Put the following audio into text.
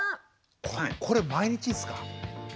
これ毎日っすか？